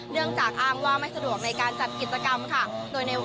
เนื่องจากอ้างว่าไม่สะดวกในการจัดกิจกรรมค่ะ